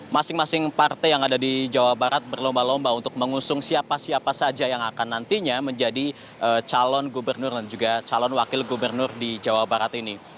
masing masing partai yang ada di jawa barat berlomba lomba untuk mengusung siapa siapa saja yang akan nantinya menjadi calon gubernur dan juga calon wakil gubernur di jawa barat ini